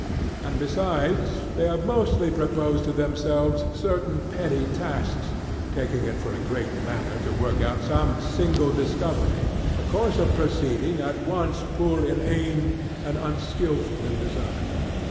And besides they have mostly proposed to themselves certain petty tasks, taking it for a great matter to work out some single discovery; a course of proceeding at once poor in aim and unskilful in design.